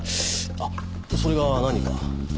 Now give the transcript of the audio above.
あっそれが何か？